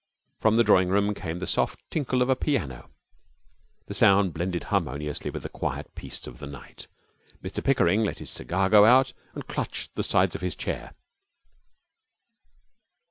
From the drawing room came the soft tinkle of a piano. The sound blended harmoniously with the quiet peace of the night. Mr Pickering let his cigar go out and clutched the sides of his chair.